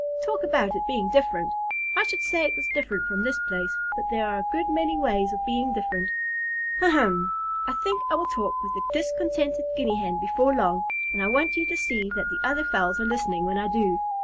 Talk about its being different! I should say it was different from this place, but there are a good many ways of being different. Um hum! I think I will talk with the discontented Guinea Hen before long, and I want you to see that the other fowls are listening when I do."